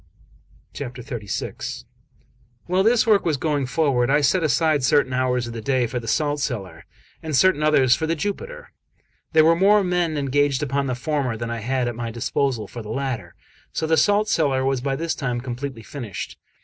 1 Note 1. This figure was undoubtedly the Nymph of Fontainebleau. XXXVI WHILE this work was going forward, I set aside certain hours of the day for the salt cellar, and certain others for the Jupiter. There were more men engaged upon the former than I had at my disposal for the latter, so the salt cellar was by this time completely finished.